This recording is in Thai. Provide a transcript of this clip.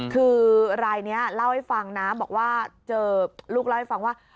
คือรายนี้เล่าให้ฟังนะบอกว่าเจอลูกเล่าให้ฟังว่า